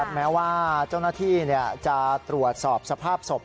แม้ว่าเจ้าหน้าที่จะตรวจสอบสภาพศพ